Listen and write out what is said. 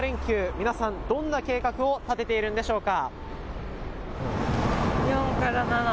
皆さんどんな計画を立てているんでしょうか。